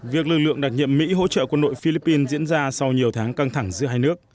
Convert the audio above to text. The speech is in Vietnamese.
việc lực lượng đặc nhiệm mỹ hỗ trợ quân đội philippines diễn ra sau nhiều tháng căng thẳng giữa hai nước